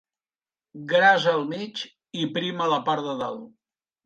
Gras al mig i prim a la part de dalt.